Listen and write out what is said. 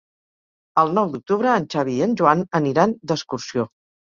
El nou d'octubre en Xavi i en Joan aniran d'excursió.